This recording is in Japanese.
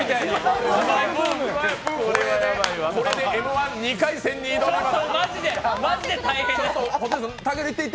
これで「Ｍ−１」２回戦に挑みます。